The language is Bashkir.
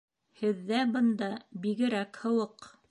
Һеҙҙә бында бигерәк һыуыҡ.